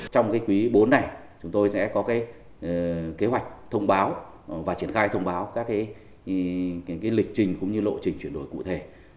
trong quý bốn này chúng tôi sẽ có kế hoạch thông báo và triển khai thông báo các lịch trình cũng như lộ trình chuyển đổi cụ thể